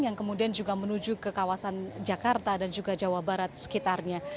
yang kemudian juga menuju ke kawasan jakarta dan juga jawa barat sekitarnya